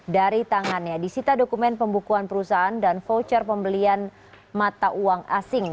dari tangannya disita dokumen pembukuan perusahaan dan voucher pembelian mata uang asing